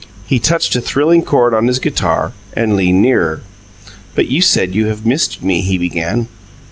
He touched a thrilling chord on his guitar and leaned nearer. "But you said you have missed me," he began.